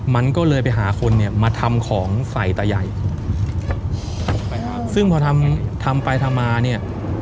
มันก็เลยไปหาคนเนี่ยมาทำของใส่ตาใหญ่ซึ่งพอทำทำไปทำมาเนี่ย